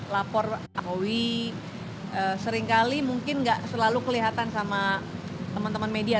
lapor akui seringkali mungkin nggak selalu kelihatan sama teman teman media